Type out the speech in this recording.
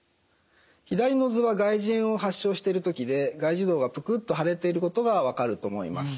左の図は外耳炎を発症している時で外耳道がプクッと腫れていることが分かると思います。